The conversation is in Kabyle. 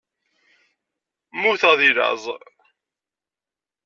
Mmuteɣ deg laẓ.